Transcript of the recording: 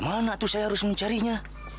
mana tuh saya harus mencarinya